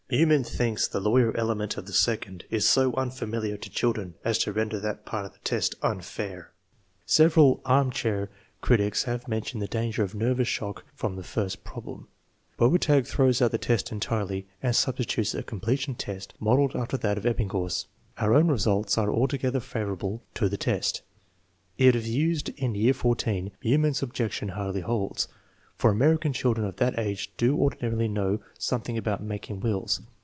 Meumann thinks the lawyer element of the second is so unfamiliar to children as to render that part of the test unfair. Several " armchair " critics have men tioned the danger of nervous shock from the first problem. Bobertag throws out the test entirely and substitutes a completion test modeled after that of Ebbinghaus. Our own results are altogether favorable to the test. If it is used in year XTV, Meumann's objection hardly holds, for American children of that age do ordinarily know some thing about making wills.